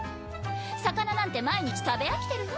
魚なんて毎日食べ飽きてるわ。